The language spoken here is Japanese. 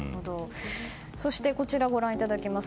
そしてこちらご覧いただきます